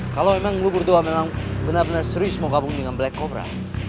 kalo emang lu berdua bener bener serius mau gabung dengan black cobra